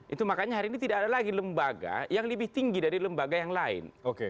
itu makanya hari ini tidak ada lagi lembaga yang lebih tinggi dari lembaga yang lain